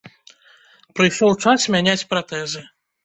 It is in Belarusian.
Прыйшоў час мяняць пратэзы.